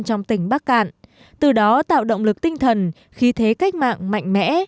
trong tỉnh bắc cạn từ đó tạo động lực tinh thần khí thế cách mạng mạnh mẽ